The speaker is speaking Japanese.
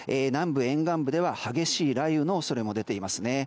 南部沿岸部では激しい雷雨の恐れも出ています。